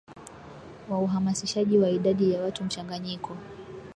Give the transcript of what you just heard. wa uhamasishaji wa idadi ya watu mchanganyiko